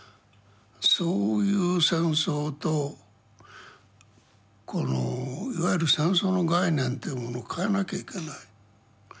そういう戦争とこのいわゆる戦争の概念というものを変えなきゃいけない。